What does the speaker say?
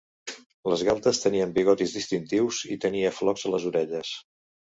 Les galtes tenien bigotis distintius i tenia flocs a les orelles.